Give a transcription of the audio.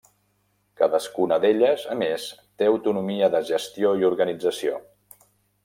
Cadascuna d'elles, a més té autonomia de gestió i organització.